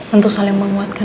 untuk saling memuatkan